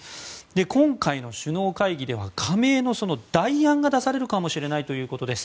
今回の首脳会議では加盟の代案が出されるかもしれないということです。